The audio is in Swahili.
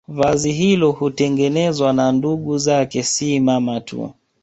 Vazi hilo hutengenezwa na ndugu zake si mama tu